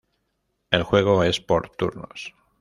El juego es por turnos.